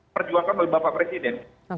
perjuangkan oleh bapak presiden